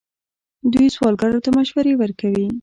دوی سوداګرو ته مشورې ورکوي.